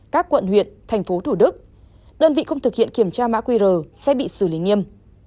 các quận huyện thành phố thủ đức đơn vị không thực hiện kiểm tra mã qr sẽ bị xử lý nghiêm